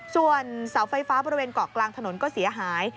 ส่วนเสาไฟฟ้าบริเวณเกาะกลางถนนก็เสียหาย